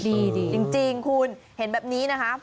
ดีจริงคุณเห็นแบบนี้นะคะ